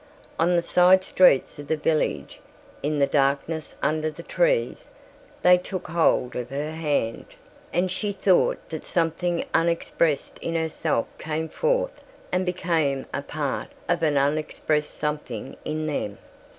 On the side streets of the village, in the darkness under the trees, they took hold of her hand and she thought that something unexpressed in herself came forth and became a part of an unexpressed something in them.